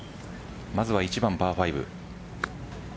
まずは１番パー５。